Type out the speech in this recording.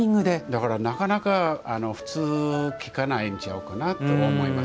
だからなかなか普通聞かないん違うかなと思います。